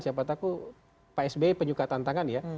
siapa tahu pak sby penyuka tantangan ya